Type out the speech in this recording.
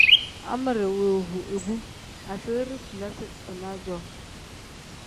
Amedi woovu ibu asiiri fulasi-dinaa-jo.